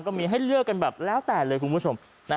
ก็มีให้เลือกกันแบบแล้วแต่เลยคุณผู้ชม